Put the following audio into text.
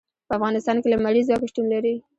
په افغانستان کې لمریز ځواک شتون لري.